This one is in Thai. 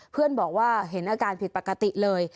เพื่อนบอกว่าเห็นอาการผิดปกติเลย